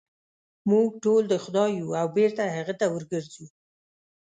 موږ ټول د خدای یو او بېرته هغه ته ورګرځو.